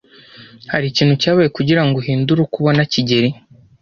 Hari ikintu cyabaye kugirango uhindure uko ubona kigeli?